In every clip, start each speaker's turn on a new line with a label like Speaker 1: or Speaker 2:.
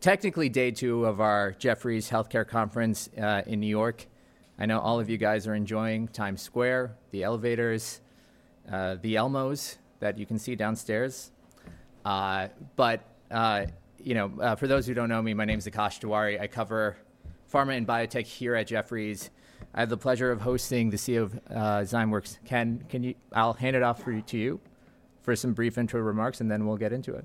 Speaker 1: Technically day two of our Jefferies Healthcare Conference, in New York. I know all of you guys are enjoying Times Square, the elevators, the Elmos that you can see downstairs. But, you know, for those who don't know me, my name is Akash Tewari. I cover pharma and biotech here at Jefferies. I have the pleasure of hosting the CEO of Zymeworks. Ken, I'll hand it off to you for some brief intro remarks, and then we'll get into it.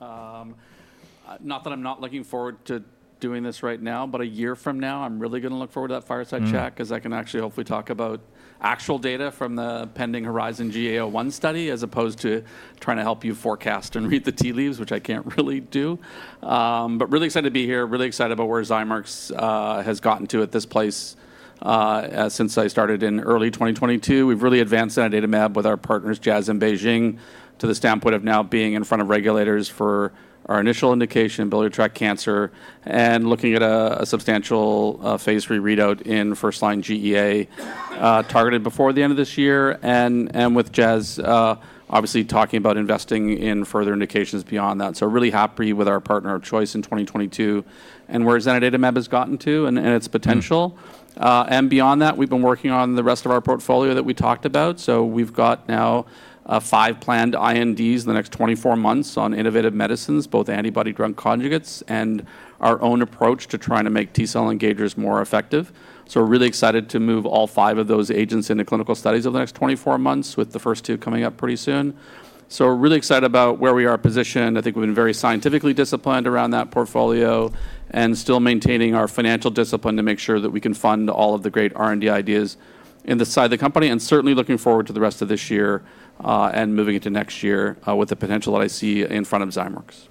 Speaker 2: No, it's great. Thanks, Akash, and, oh, this is, it's working. Yeah, happy to be back here again, for a fireside chat. Not that I'm not looking forward to doing this right now, but a year from now, I'm really gonna look forward to that fireside chat.
Speaker 1: Mm...
Speaker 2: 'cause I can actually hopefully talk about actual data from the pending HERIZON-GEA-01 study, as opposed to trying to help you forecast and read the tea leaves, which I can't really do. But really excited to be here, really excited about where Zymeworks has gotten to at this place since I started in early 2022. We've really advanced zanidatamab with our partners, Jazz and BeiGene, to the standpoint of now being in front of regulators for our initial indication, biliary tract cancer, and looking at a substantial Phase III readout in first-line GEA targeted before the end of this year, and with Jazz obviously talking about investing in further indications beyond that. So really happy with our partner of choice in 2022, and where zanidatamab has gotten to and its potential.
Speaker 1: Mm.
Speaker 2: And beyond that, we've been working on the rest of our portfolio that we talked about. So we've got now five planned INDs in the next 24 months on innovative medicines, both antibody-drug conjugates and our own approach to trying to make T-cell engagers more effective. So we're really excited to move all five of those agents into clinical studies over the next 24 months, with the first two coming up pretty soon. So we're really excited about where we are positioned. I think we've been very scientifically disciplined around that portfolio and still maintaining our financial discipline to make sure that we can fund all of the great R&D ideas in the side of the company, and certainly looking forward to the rest of this year and moving into next year with the potential that I see in front of Zymeworks.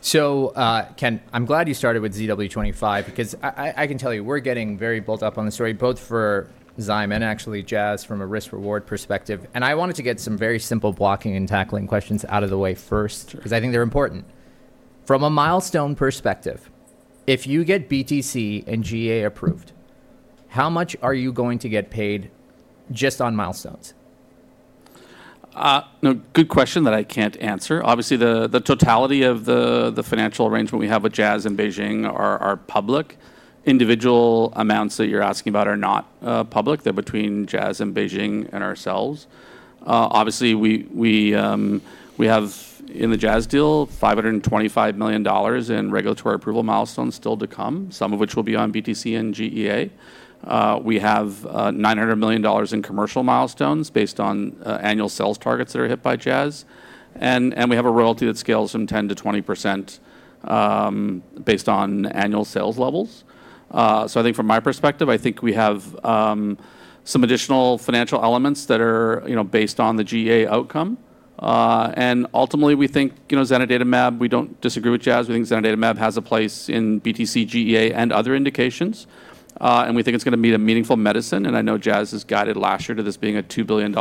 Speaker 1: So, Ken, I'm glad you started with ZW25 because I can tell you, we're getting very built up on the story, both for Zym and actually Jazz from a risk-reward perspective. And I wanted to get some very simple blocking-and-tackling questions out of the way first-
Speaker 2: Sure...
Speaker 1: 'cause I think they're important. From a milestone perspective, if you get BTC and GEA approved, how much are you going to get paid just on milestones?
Speaker 2: Good question that I can't answer. Obviously, the totality of the financial arrangement we have with Jazz and BeiGene are public. Individual amounts that you're asking about are not public. They're between Jazz and BeiGene and ourselves. Obviously, we have, in the Jazz deal, $525 million in regulatory approval milestones still to come, some of which will be on BTC and GEA. We have $900 million in commercial milestones based on annual sales targets that are hit by Jazz, and we have a royalty that scales from 10%-20%, based on annual sales levels. So I think from my perspective, I think we have some additional financial elements that are, you know, based on the GEA outcome. and ultimately, we think, you know, zanidatamab, we don't disagree with Jazz. We think zanidatamab has a place in BTC, GEA, and other indications, and we think it's gonna be a meaningful medicine, and I know Jazz has guided last year to this being a $2 billion+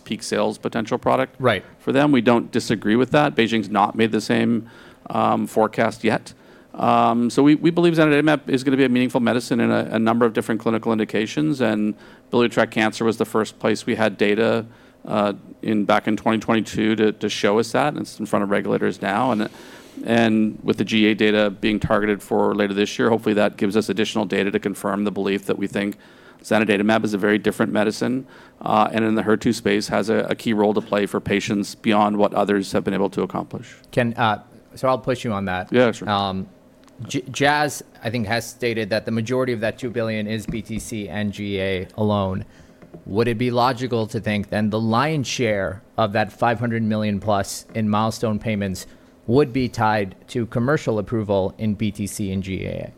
Speaker 2: peak sales potential product-
Speaker 1: Right...
Speaker 2: for them. We don't disagree with that. BeiGene's not made the same forecast yet. So we believe zanidatamab is gonna be a meaningful medicine in a number of different clinical indications, and biliary tract cancer was the first place we had data in back in 2022 to show us that, and it's in front of regulators now. And with the GEA data being targeted for later this year, hopefully, that gives us additional data to confirm the belief that we think zanidatamab is a very different medicine, and in the HER2 space, has a key role to play for patients beyond what others have been able to accomplish.
Speaker 1: Ken, so I'll push you on that.
Speaker 2: Yeah, sure.
Speaker 1: Jazz, I think, has stated that the majority of that $2 billion is BTC and GEA alone. Would it be logical to think then the lion's share of that $500 million plus in milestone payments would be tied to commercial approval in BTC and GEA?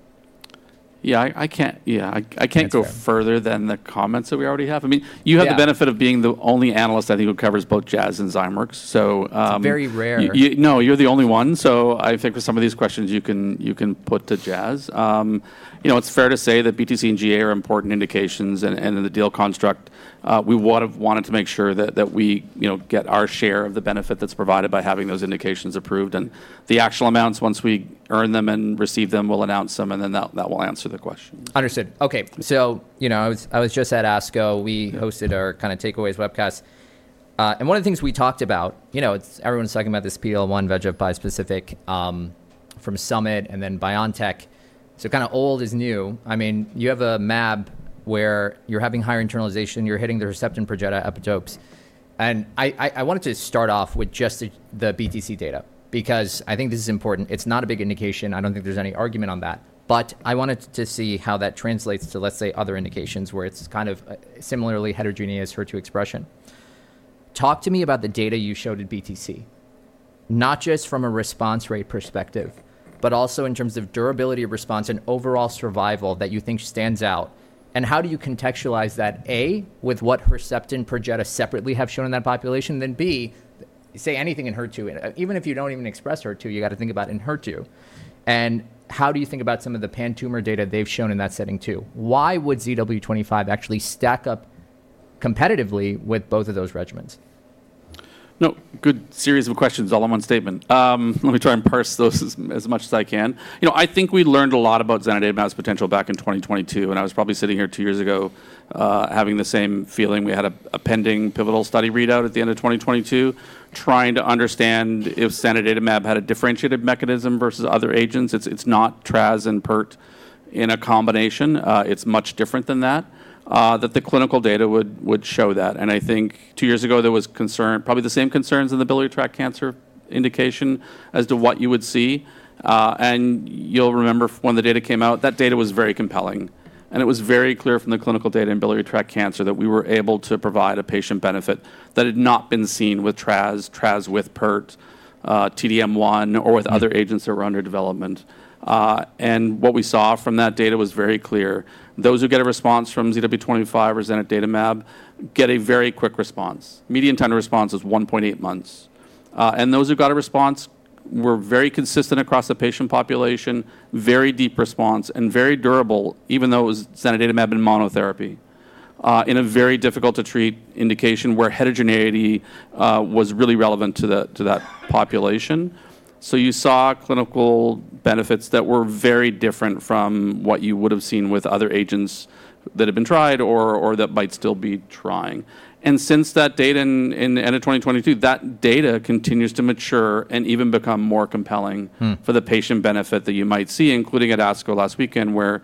Speaker 2: Yeah, I can't... Yeah-
Speaker 1: That's fair...
Speaker 2: I can't go further than the comments that we already have. I mean-
Speaker 1: Yeah...
Speaker 2: you have the benefit of being the only analyst, I think, who covers both Jazz and Zymeworks. So
Speaker 1: It's very rare.
Speaker 2: You know, you're the only one, so I think with some of these questions you can put to Jazz. You know, it's fair to say that BTC and GEA are important indications, and in the deal construct, we would've wanted to make sure that we, you know, get our share of the benefit that's provided by having those indications approved. And the actual amounts, once we earn them and receive them, we'll announce them, and then that will answer the question.
Speaker 1: Understood. Okay, so, you know, I was just at ASCO. We hosted our kind of takeaways webcast, and one of the things we talked about, you know, it's everyone's talking about this PD-L1 VEGF bispecific from Summit and then BioNTech. So kind of old is new. I mean, you have a mAb where you're having higher internalization, you're hitting the receptor and Perjeta epitopes. And I wanted to start off with just the BTC data because I think this is important. It's not a big indication. I don't think there's any argument on that. But I wanted to see how that translates to, let's say, other indications, where it's kind of similarly heterogeneous HER2 expression. Talk to me about the data you showed at BTC, not just from a response rate perspective, but also in terms of durability of response and overall survival that you think stands out, and how do you contextualize that, A, with what Herceptin Perjeta separately have shown in that population, then B, say anything in HER2. Even if you don't even express HER2, you gotta think about it in HER2. And how do you think about some of the pan-tumor data they've shown in that setting, too? Why would ZW25 actually stack up competitively with both of those regimens? ...
Speaker 2: No, good series of questions, all in one statement. Let me try and parse those as much as I can. You know, I think we learned a lot about zanidatamab's potential back in 2022, and I was probably sitting here two years ago, having the same feeling. We had a pending pivotal study readout at the end of 2022, trying to understand if zanidatamab had a differentiated mechanism versus other agents. It's not Traz and Pert in a combination. It's much different than that, that the clinical data would show that. And I think two years ago, there was concern, probably the same concerns in the biliary tract cancer indication as to what you would see. And you'll remember when the data came out, that data was very compelling, and it was very clear from the clinical data in biliary tract cancer that we were able to provide a patient benefit that had not been seen with Traz, Traz with Pert, T-DM1, or with other agents that were under development. And what we saw from that data was very clear. Those who get a response from ZW25 or zanidatamab get a very quick response. Median time of response is 1.8 months. And those who got a response were very consistent across the patient population, very deep response, and very durable, even though it was zanidatamab in monotherapy, in a very difficult-to-treat indication, where heterogeneity was really relevant to that population. So you saw clinical benefits that were very different from what you would have seen with other agents that had been tried or that might still be trying. And since that data in the end of 2022, that data continues to mature and even become more compelling-
Speaker 1: Mm.
Speaker 2: For the patient benefit that you might see, including at ASCO last weekend, where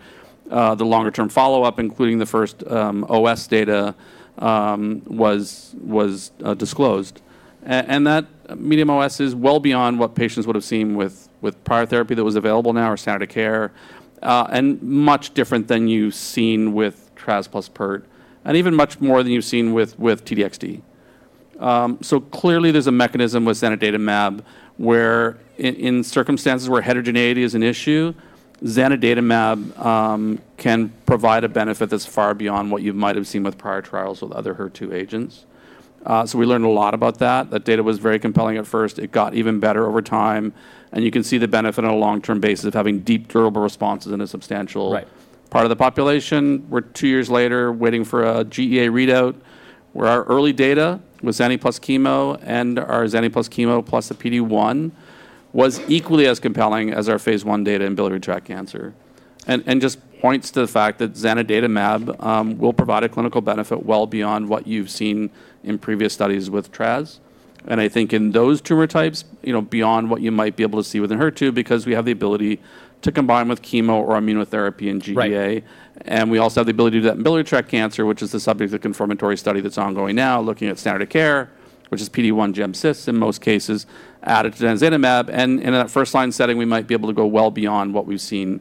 Speaker 2: the longer-term follow-up, including the first OS data, was disclosed. And that median OS is well beyond what patients would have seen with prior therapy that was available now or standard of care, and much different than you've seen with Traz plus Pert, and even much more than you've seen with T-DXd. So clearly there's a mechanism with zanidatamab, where in circumstances where heterogeneity is an issue, zanidatamab can provide a benefit that's far beyond what you might have seen with prior trials with other HER2 agents. So we learned a lot about that. That data was very compelling at first. It got even better over time, and you can see the benefit on a long-term basis of having deep, durable responses in a substantial-
Speaker 1: Right...
Speaker 2: part of the population. We're two years later, waiting for a GEA readout, where our early data with Zani plus chemo and our Zani plus chemo plus a PD-1 was equally as compelling as our phase I data in biliary tract cancer, and just points to the fact that zanidatamab will provide a clinical benefit well beyond what you've seen in previous studies with Traz. And I think in those tumor types, you know, beyond what you might be able to see with an HER2, because we have the ability to combine with chemo or immunotherapy in GEA.
Speaker 1: Right.
Speaker 2: And we also have the ability to do that in biliary tract cancer, which is the subject of the confirmatory study that's ongoing now, looking at standard of care, which is PD-1/gemcitabine in most cases, added to zanidatamab. And in that first-line setting, we might be able to go well beyond what we've seen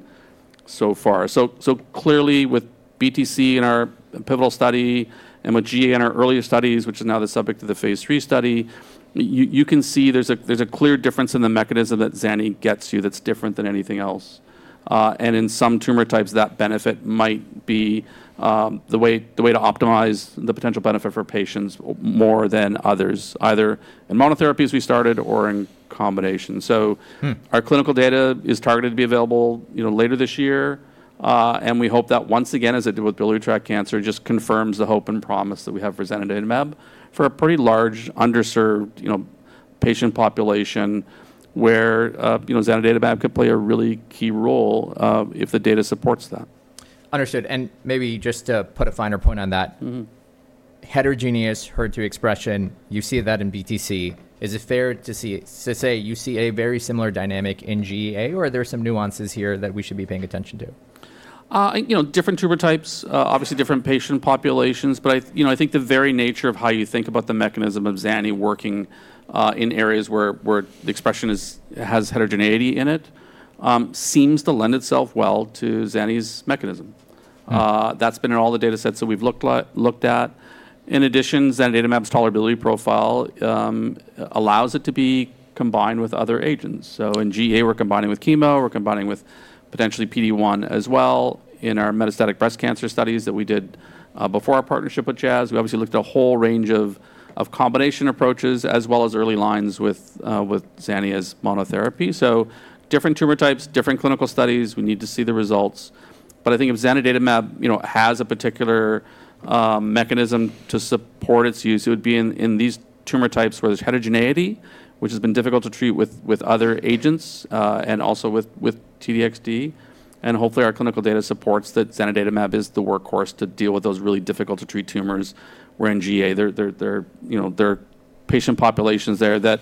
Speaker 2: so far. So clearly, with BTC in our pivotal study and with GEA in our earlier studies, which is now the subject of the Phase III study, you can see there's a clear difference in the mechanism that Zani gets you that's different than anything else. And in some tumor types, that benefit might be the way to optimize the potential benefit for patients more than others, either in monotherapies we started or in combination.
Speaker 1: Mm.
Speaker 2: Our clinical data is targeted to be available, you know, later this year. And we hope that once again, as it did with biliary tract cancer, just confirms the hope and promise that we have for zanidatamab for a pretty large, underserved, you know, patient population where, you know, zanidatamab could play a really key role, if the data supports that.
Speaker 1: Understood. Maybe just to put a finer point on that-
Speaker 2: Mm-hmm.
Speaker 1: heterogeneous HER2 expression, you see that in BTC. Is it fair to see to say you see a very similar dynamic in GEA, or are there some nuances here that we should be paying attention to?
Speaker 2: You know, different tumor types, obviously different patient populations. But I, you know, I think the very nature of how you think about the mechanism of Zani working in areas where the expression has heterogeneity in it seems to lend itself well to Zani's mechanism.
Speaker 1: Mm.
Speaker 2: That's been in all the datasets that we've looked at. In addition, zanidatamab's tolerability profile allows it to be combined with other agents. So in GEA, we're combining with chemo, we're combining with potentially PD-1 as well. In our metastatic breast cancer studies that we did before our partnership with Jazz, we obviously looked at a whole range of combination approaches as well as early lines with Zani as monotherapy. So different tumor types, different clinical studies, we need to see the results. But I think if zanidatamab, you know, has a particular mechanism to support its use, it would be in these tumor types where there's heterogeneity, which has been difficult to treat with other agents and also with T-DXd. Hopefully, our clinical data supports that zanidatamab is the workhorse to deal with those really difficult-to-treat tumors, where in GEA, you know, there are patient populations that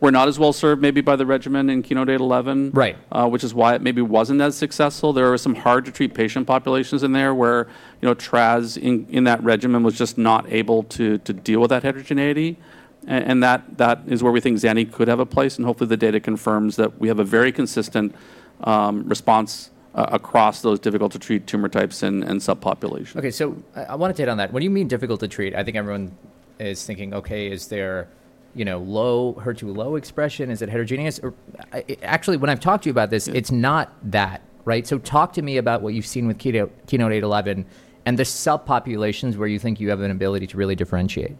Speaker 2: were not as well served maybe by the regimen in KEYNOTE-811-
Speaker 1: Right...
Speaker 2: which is why it maybe wasn't as successful. There are some hard-to-treat patient populations in there where, you know, Traz in that regimen was just not able to deal with that heterogeneity. And that is where we think Zani could have a place, and hopefully, the data confirms that we have a very consistent response across those difficult-to-treat tumor types and subpopulations.
Speaker 1: Okay, so I want to hit on that. What do you mean difficult to treat? I think everyone is thinking, "Okay, is there, you know, low HER2-low expression? Is it heterogeneous?" Or, actually, when I've talked to you about this, it's not that, right? So talk to me about what you've seen with KEYNOTE-811, and the subpopulations where you think you have an ability to really differentiate....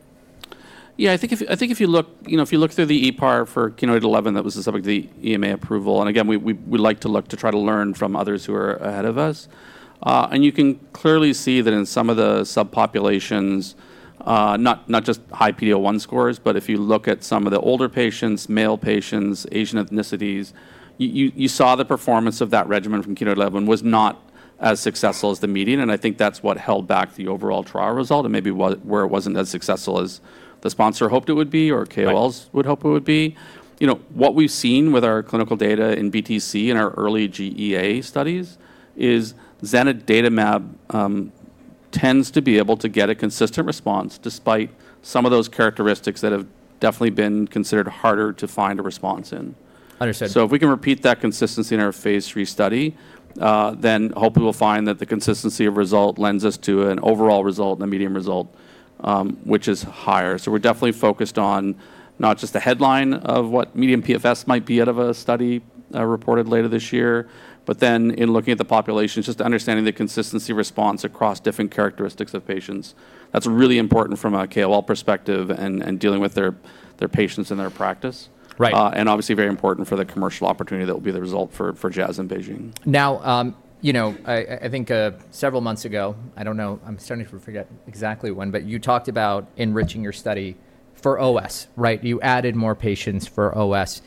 Speaker 2: Yeah, I think if you look, you know, if you look through the ePAR for KEYNOTE-811, that was the subject of the EMA approval, and again, we like to look to try to learn from others who are ahead of us. And you can clearly see that in some of the subpopulations, not just high PD-L1 scores, but if you look at some of the older patients, male patients, Asian ethnicities, you saw the performance of that regimen from KEYNOTE-811 was not as successful as the median, and I think that's what held back the overall trial result and maybe where it wasn't as successful as the sponsor hoped it would be or KOLs-
Speaker 1: Right...
Speaker 2: would hope it would be. You know, what we've seen with our clinical data in BTC, in our early GEA studies, is zanidatamab tends to be able to get a consistent response, despite some of those characteristics that have definitely been considered harder to find a response in.
Speaker 1: Understood.
Speaker 2: So if we can repeat that consistency in our phase III study, then hopefully we'll find that the consistency of result lends us to an overall result and a median result, which is higher. So we're definitely focused on not just the headline of what median PFS might be out of a study, reported later this year, but then in looking at the populations, just understanding the consistency response across different characteristics of patients. That's really important from a KOL perspective and dealing with their patients and their practice.
Speaker 1: Right.
Speaker 2: Obviously very important for the commercial opportunity that will be the result for Jazz and BeiGene.
Speaker 1: Now, you know, I think several months ago, I don't know, I'm starting to forget exactly when, but you talked about enriching your study for OS, right? You added more patients for OS.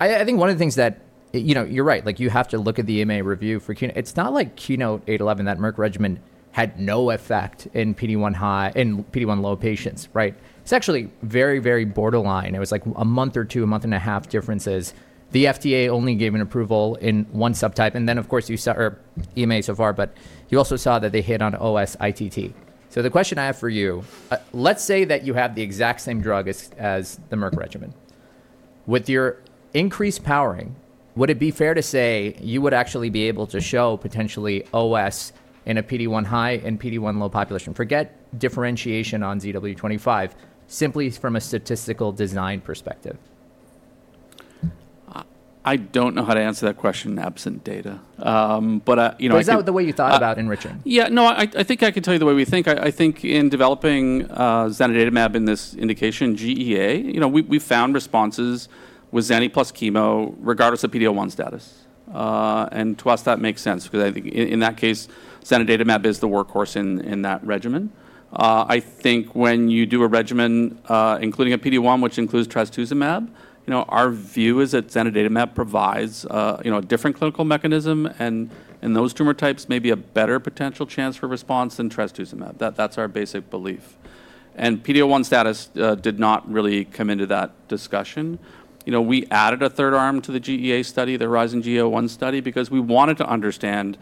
Speaker 1: I think one of the things that, you know, you're right, like, you have to look at the EMA review for KEYNOTE. It's not like KEYNOTE 811, that Merck regimen had no effect in PD-1 high- in PD-1 low patients, right? It's actually very, very borderline. It was like a month or two, a month and a half differences. The FDA only gave an approval in one subtype, and then, of course, you saw, or EMA so far, but you also saw that they hit on OS ITT. So the question I have for you, let's say that you have the exact same drug as the Merck regimen. With your increased powering, would it be fair to say you would actually be able to show potentially OS in a PD-1 high and PD-1 low population? Forget differentiation on ZW25, simply from a statistical design perspective.
Speaker 2: I don't know how to answer that question absent data. But, you know-
Speaker 1: But is that the way you thought about enriching?
Speaker 2: Yeah, no, I think I can tell you the way we think. I think in developing zanidatamab in this indication, GEA, you know, we found responses with zani plus chemo, regardless of PD-L1 status. And to us, that makes sense because I think in that case, zanidatamab is the workhorse in that regimen. I think when you do a regimen including a PD-1, which includes trastuzumab, you know, our view is that zanidatamab provides you know, a different clinical mechanism, and in those tumor types, maybe a better potential chance for response than trastuzumab. That's our basic belief. And PD-L1 status did not really come into that discussion. You know, we added a third arm to the GEA study, the HERIZON-GEA-01 study, because we wanted to understand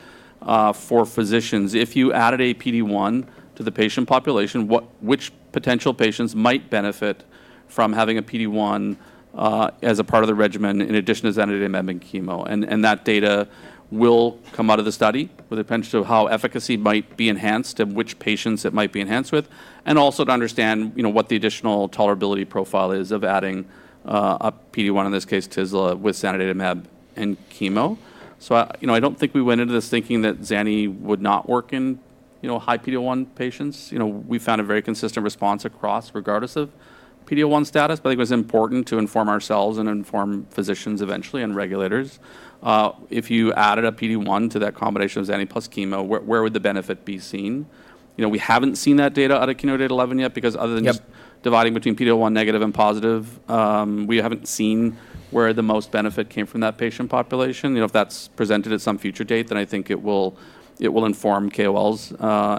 Speaker 2: for physicians, if you added a PD-1 to the patient population, which potential patients might benefit from having a PD-1 as a part of the regimen, in addition to zanidatamab and chemo. And that data will come out of the study with a pinch of how efficacy might be enhanced and which patients it might be enhanced with, and also to understand, you know, what the additional tolerability profile is of adding a PD-1, in this case, tisle with zanidatamab and chemo. So I, you know, I don't think we went into this thinking that zani would not work in, you know, high PD-L1 patients. You know, we found a very consistent response across, regardless of PD-L1 status, but it was important to inform ourselves and inform physicians eventually and regulators. If you added a PD-1 to that combination of zani plus chemo, where, where would the benefit be seen? You know, we haven't seen that data out of KEYNOTE-811 yet, because other than-
Speaker 1: Yep...
Speaker 2: dividing between PD-L1 negative and positive, we haven't seen where the most benefit came from that patient population. You know, if that's presented at some future date, then I think it will, it will inform KOLs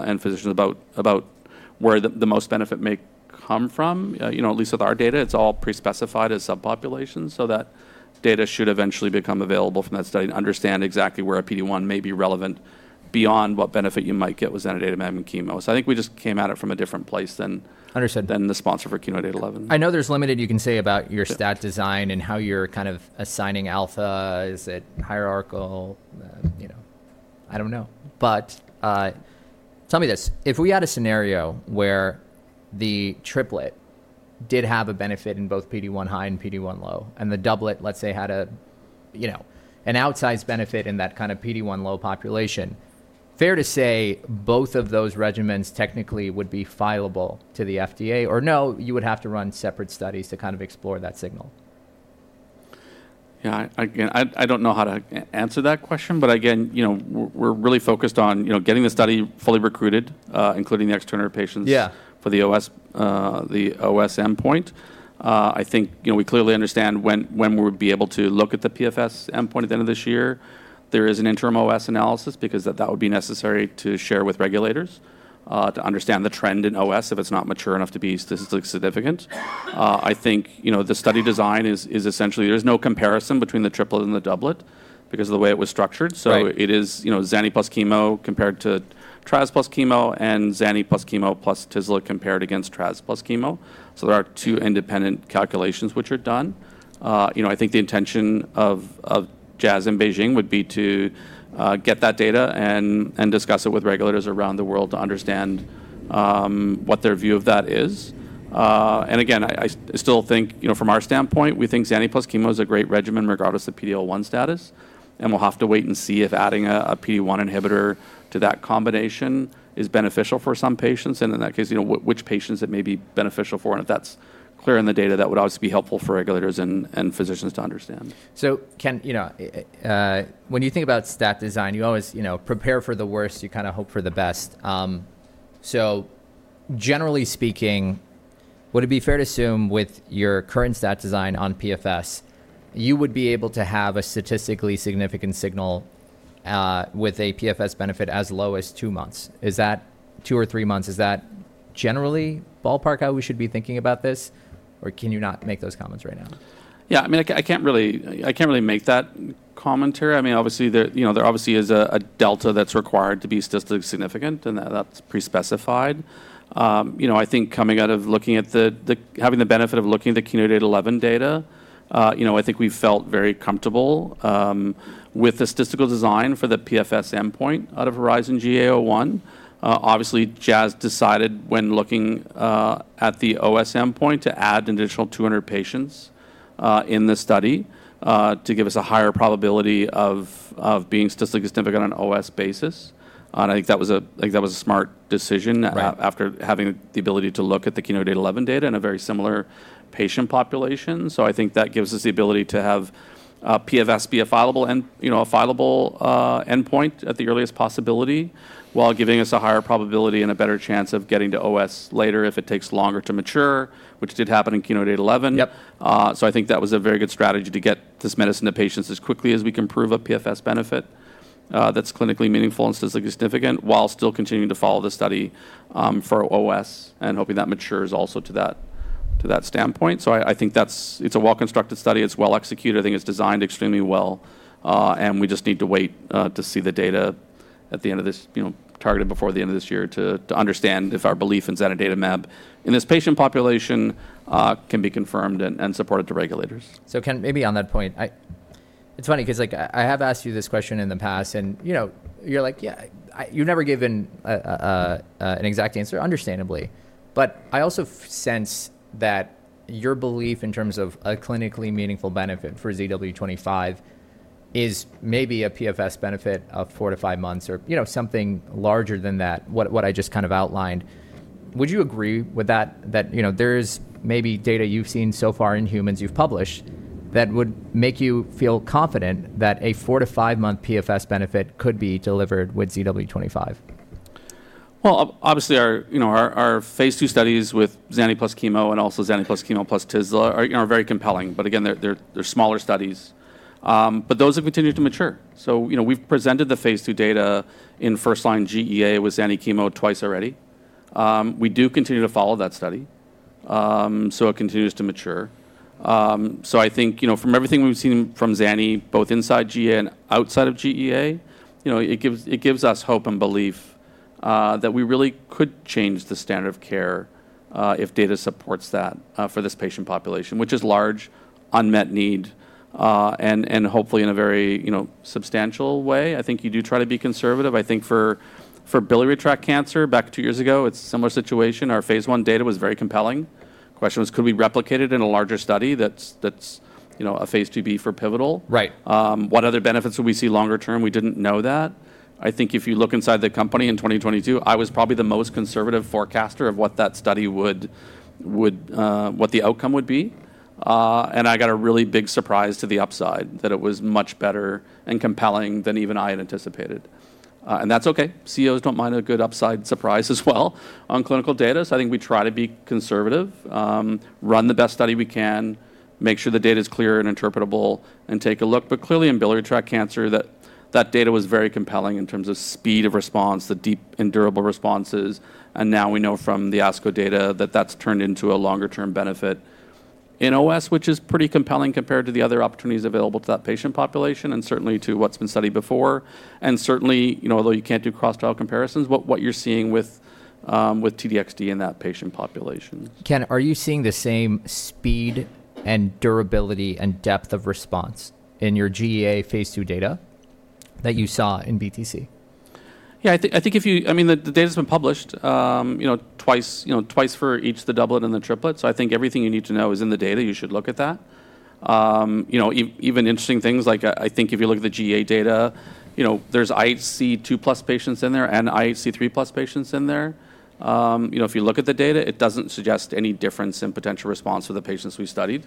Speaker 2: and physicians about, about where the, the most benefit may come from. You know, at least with our data, it's all pre-specified as subpopulations, so that data should eventually become available from that study to understand exactly where a PD-1 may be relevant beyond what benefit you might get with zanidatamab and chemo. So I think we just came at it from a different place than-
Speaker 1: Understood...
Speaker 2: than the sponsor for KEYNOTE-811.
Speaker 1: I know there's limited you can say about your stat design and how you're kind of assigning alpha. Is it hierarchical? You know, I don't know. But, tell me this, if we had a scenario where the triplet did have a benefit in both PD-1 high and PD-1 low, and the doublet, let's say, had a, you know, an outsized benefit in that kind of PD-1-low population, fair to say both of those regimens technically would be fileable to the FDA? Or no, you would have to run separate studies to kind of explore that signal.
Speaker 2: Yeah, again, I don't know how to answer that question, but again, you know, we're really focused on, you know, getting the study fully recruited, including the extra 100 patients-
Speaker 1: Yeah...
Speaker 2: for the OS, the OS endpoint. I think, you know, we clearly understand when we would be able to look at the PFS endpoint at the end of this year. There is an interim OS analysis because that would be necessary to share with regulators, to understand the trend in OS if it's not mature enough to be statistically significant. I think, you know, the study design is essentially there's no comparison between the triplet and the doublet because of the way it was structured.
Speaker 1: Right.
Speaker 2: So it is, you know, zani plus chemo compared to Trast plus chemo, and zani plus chemo plus tisle compared against Trast plus chemo. So there are two independent calculations which are done. You know, I think the intention of Jazz and BeiGene would be to get that data and discuss it with regulators around the world to understand what their view of that is. And again, I still think, you know, from our standpoint, we think zani plus chemo is a great regimen regardless of PD-L1 status, and we'll have to wait and see if adding a PD-1 inhibitor to that combination is beneficial for some patients, and in that case, you know, which patients it may be beneficial for, and if that's clear in the data, that would obviously be helpful for regulators and physicians to understand.
Speaker 1: So can you know, when you think about stat design, you always, you know, prepare for the worst, you kinda hope for the best. So generally speaking, would it be fair to assume with your current stat design on PFS, you would be able to have a statistically significant signal, with a PFS benefit as low as two months? Is that two or three months, is that generally ballpark how we should be thinking about this, or can you not make those comments right now?
Speaker 2: Yeah, I mean, I can't really make that commentary. I mean, obviously, you know, there obviously is a delta that's required to be statistically significant, and that's pre-specified. You know, I think coming out of having the benefit of looking at the KEYNOTE-811 data, you know, I think we felt very comfortable with the statistical design for the PFS endpoint out of HERIZON-GEA-01. Obviously, Jazz decided when looking at the OS endpoint to add an additional 200 patients in the study to give us a higher probability of being statistically significant on OS basis. And I think that was a smart decision-
Speaker 1: Right...
Speaker 2: after having the ability to look at the KEYNOTE-811 data in a very similar patient population. So I think that gives us the ability to have PFS be a fileable end, you know, a fileable endpoint at the earliest possibility, while giving us a higher probability and a better chance of getting to OS later if it takes longer to mature, which did happen in KEYNOTE-811.
Speaker 1: Yep.
Speaker 2: So I think that was a very good strategy to get this medicine to patients as quickly as we can prove a PFS benefit, that's clinically meaningful and statistically significant, while still continuing to follow the study, for OS and hoping that matures also to that, to that standpoint. So I think that's- it's a well-constructed study, it's well-executed. I think it's designed extremely well, and we just need to wait, to see the data at the end of this, you know, targeted before the end of this year, to, to understand if our belief in zanidatamab in this patient population, can be confirmed and, and supported to regulators.
Speaker 1: So, Ken, maybe on that point, it's funny 'cause like I, I have asked you this question in the past, and, you know, you're like, "Yeah," you've never given an exact answer, understandably. But I also sense that your belief in terms of a clinically meaningful benefit for ZW25 is maybe a PFS benefit of 4-5 months or, you know, something larger than that, what I just kind of outlined. Would you agree with that? That, you know, there's maybe data you've seen so far in humans you've published, that would make you feel confident that a 4-5-month PFS benefit could be delivered with ZW25?
Speaker 2: Well, obviously, you know, our phase 2 studies with Zani plus chemo and also Zani plus chemo plus tisle are very compelling. But again, they're smaller studies. But those have continued to mature. So, you know, we've presented the phase 2 data in first-line GEA with Zani chemo twice already. We do continue to follow that study, so it continues to mature. So I think, you know, from everything we've seen from Zani, both inside GEA and outside of GEA, you know, it gives us hope and belief that we really could change the standard of care, if data supports that, for this patient population, which is large, unmet need, and hopefully in a very, you know, substantial way. I think you do try to be conservative. I think for biliary tract cancer, back 2 years ago, it's a similar situation. Our phase 1 data was very compelling. The question was, could we replicate it in a larger study that's, you know, a phase 2B for pivotal?
Speaker 1: Right.
Speaker 2: What other benefits would we see longer term? We didn't know that. I think if you look inside the company in 2022, I was probably the most conservative forecaster of what that study would, what the outcome would be. And I got a really big surprise to the upside, that it was much better and compelling than even I had anticipated. And that's okay. CEOs don't mind a good upside surprise as well on clinical data. So I think we try to be conservative, run the best study we can, make sure the data is clear and interpretable, and take a look. But clearly, in biliary tract cancer, that data was very compelling in terms of speed of response, the deep and durable responses, and now we know from the ASCO data that that's turned into a longer-term benefit in OS, which is pretty compelling compared to the other opportunities available to that patient population and certainly to what's been studied before. And certainly, you know, although you can't do cross-trial comparisons, what you're seeing with T-DXd in that patient population.
Speaker 1: Ken, are you seeing the same speed and durability and depth of response in your GEA phase 2 data that you saw in BTC?
Speaker 2: Yeah, I think if you—I mean, the data's been published, you know, twice, you know, twice for each the doublet and the triplet, so I think everything you need to know is in the data. You should look at that. You know, even interesting things like, I think if you look at the GEA data, you know, there's IHC 2+ patients in there and IHC 3+ patients in there. You know, if you look at the data, it doesn't suggest any difference in potential response for the patients we studied.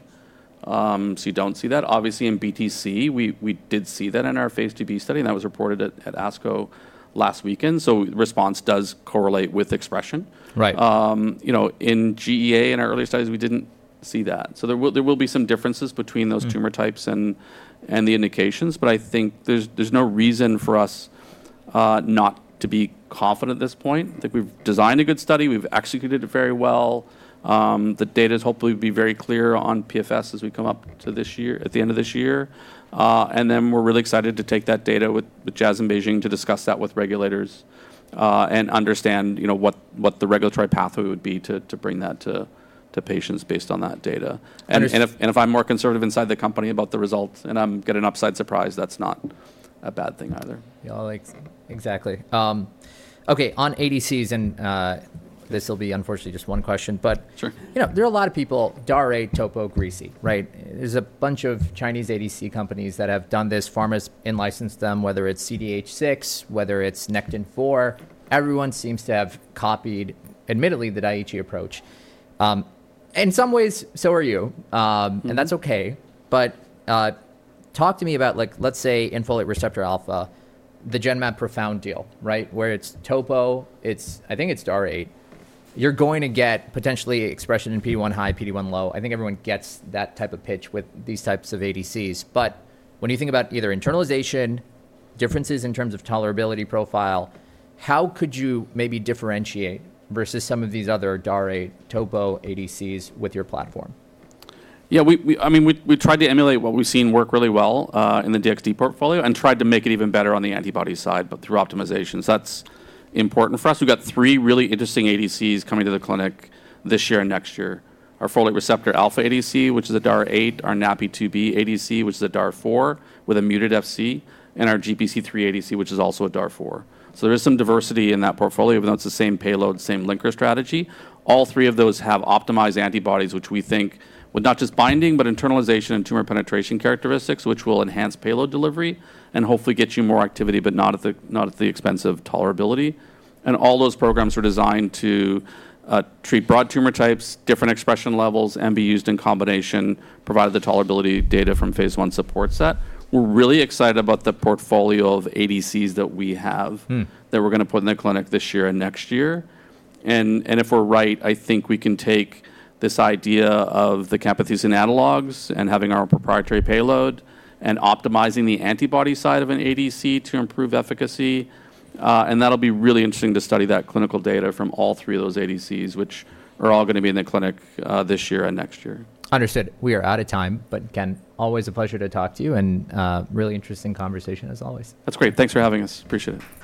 Speaker 2: So you don't see that. Obviously, in BTC, we did see that in our phase 2B study, and that was reported at ASCO last weekend. So response does correlate with expression.
Speaker 1: Right.
Speaker 2: You know, in GEA, in our earlier studies, we didn't see that. So there will be some differences between those-
Speaker 1: Mm-hmm
Speaker 2: Tumor types and the indications, but I think there's no reason for us not to be confident at this point. I think we've designed a good study, we've executed it very well. The data is hopefully be very clear on PFS as we come up to this year, at the end of this year. And then we're really excited to take that data with Jazz in BeiGene to discuss that with regulators, and understand, you know, what the regulatory pathway would be to bring that to patients based on that data.
Speaker 1: And-
Speaker 2: If I'm more conservative inside the company about the results, and I get an upside surprise, that's not a bad thing either.
Speaker 1: Yeah, like, exactly. Okay. On ADCs, and, this will be unfortunately just one question, but-
Speaker 2: Sure
Speaker 1: You know, there are a lot of people, DAR, TOPO, GPC3, right? There's a bunch of Chinese ADC companies that have done this, pharmas in-licensed them, whether it's CDH6, whether it's Nectin-4, everyone seems to have copied, admittedly, the Daiichi approach. In some ways, so are you.
Speaker 2: Mm-hmm
Speaker 1: And that's okay, but, talk to me about like, let's say, in folate receptor alpha, the Genmab ProfoundBio deal, right? Where it's TOPO, it's—I think it's DAR. You're going to get potentially expression in PD-1 high, PD-1 low. I think everyone gets that type of pitch with these types of ADCs. But when you think about either internalization, differences in terms of tolerability profile, how could you maybe differentiate versus some of these other DAR, TOPO ADCs with your platform?
Speaker 2: Yeah, I mean, we tried to emulate what we've seen work really well in the DXd portfolio and tried to make it even better on the antibody side, but through optimization. So that's important for us. We've got three really interesting ADCs coming to the clinic this year and next year. Our folate receptor alpha ADC, which is a DAR-8, our NaPi2b ADC, which is a DAR-4, with a muted Fc, and our GPC3 ADC, which is also a DAR-4. So there is some diversity in that portfolio, but that's the same payload, same linker strategy. All three of those have optimized antibodies, which we think would not just binding, but internalization and tumor penetration characteristics, which will enhance payload delivery and hopefully get you more activity, but not at the expense of tolerability. All those programs are designed to treat broad tumor types, different expression levels, and be used in combination, provided the tolerability data from phase 1 supports that. We're really excited about the portfolio of ADCs that we have-
Speaker 1: Mm-hmm
Speaker 2: That we're gonna put in the clinic this year and next year. And if we're right, I think we can take this idea of the camptothecin analogs and having our proprietary payload, and optimizing the antibody side of an ADC to improve efficacy. And that'll be really interesting to study that clinical data from all three of those ADCs, which are all gonna be in the clinic, this year and next year.
Speaker 1: Understood. We are out of time, but again, always a pleasure to talk to you, and, really interesting conversation as always.
Speaker 2: That's great. Thanks for having us. Appreciate it.